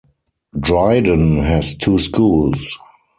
Dryden has two schools.